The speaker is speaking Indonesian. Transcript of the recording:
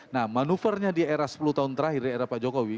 nah manuvernya di era sepuluh tahun terakhir di era pak jokowi